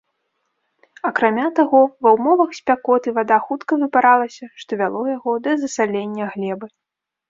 Акрамя таго, ва ўмовах спякоты вада хутка выпаралася, што вяло яго да засалення глебы.